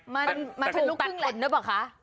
มันเป็นลูกครึ่งแหล่นหรือเปล่าคะ